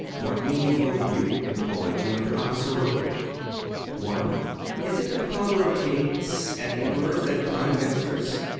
What means will you employ to encompass her ruin? I. Is it the power of Kings, and Emperors, and Prime Ministers?